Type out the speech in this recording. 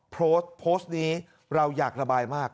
โพสต์เนี่ยเรายากระบายมาก